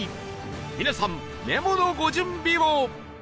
皆さんメモのご準備を